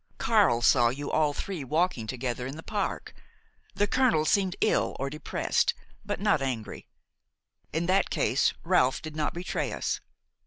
Carle saw you all three walking together in the park. The colonel seemed ill or depressed, but not angry. In that case that Ralph did not betray us!